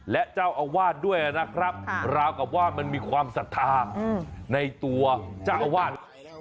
และเจ้าอาวาสด้วยนะครับราวกับว่ามันมีความศรัทธาในตัวเจ้าอาวาส